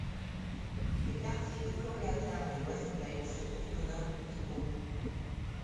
Les quartiers de Koreatown et Westlake se trouvent au nord de Pico.